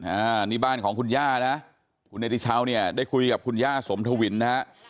อันนี้บ้านของคุณย่านะคุณเนธิเช้าเนี่ยได้คุยกับคุณย่าสมทวินนะฮะ